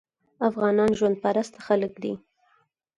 افغانان ژوند پرسته خلک دي.